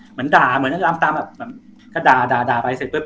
เหมือนด่าเหมือนลำตามแบบก็ด่าด่าไปเสร็จปุ๊